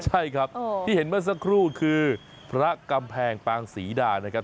ใช่ครับที่เห็นเมื่อสักครู่คือพระกำแพงปางศรีดานะครับ